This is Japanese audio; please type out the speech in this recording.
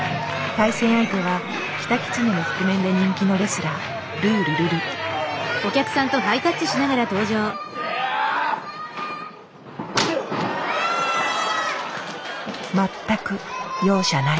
対戦相手はキタキツネの覆面で人気のレスラー全く容赦ない。